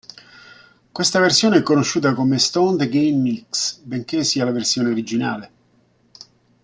Questa versione è conosciuta come "Stoned Again Mix", benché sia la versione originale.